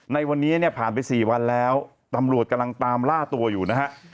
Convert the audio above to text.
ในวันนี้เนี่ยผ่านไป๔วันแล้วตำรวจกำลังตามล่าตัวอยู่นะฮะ